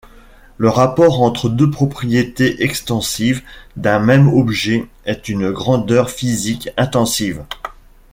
Le rapport entre deux propriétés extensives d'un même objet est une grandeur physique intensive.